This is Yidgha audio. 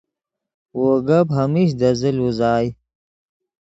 وو گپ ہمیش دے زل اوزائے